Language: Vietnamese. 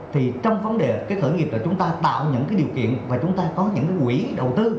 thì trong vấn đề cái khởi nghiệp là chúng ta tạo những cái điều kiện và chúng ta có những quỹ đầu tư